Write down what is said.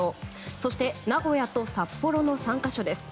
そして名古屋と札幌の３か所です。